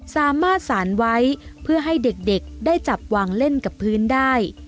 สารไว้เพื่อให้เด็กได้จับวางเล่นกับพื้นได้